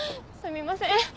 「すみません